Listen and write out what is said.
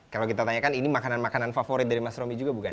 kalau kita tanyakan ini makanan makanan favorit dari mas romi juga bukan